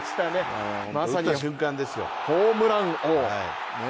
まさにホームラン王。